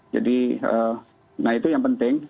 jadi nah itu yang penting